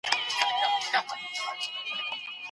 ددغه خلګو په كار، كار مه لره